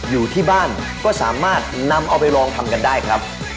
อยู่ที่บ้านก็สามารถนำเอาไปลองทำกันได้ครับ